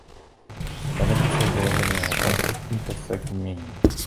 Z té doby jsou doloženy jeho konfliktní postoje k umění.